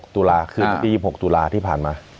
ตุลาคืนวันที่๒๖ตุลาที่ผ่านมา